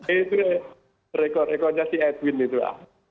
itu ya rekor rekornya si edwin itu pak